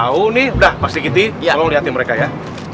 nah ini udah pak sriki tolong liatin mereka ya